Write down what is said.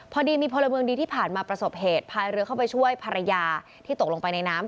พอดีมีพลเมืองดีที่ผ่านมาประสบเหตุพายเรือเข้าไปช่วยภรรยาที่ตกลงไปในน้ำ